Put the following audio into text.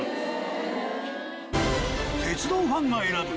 鉄道ファンが選ぶ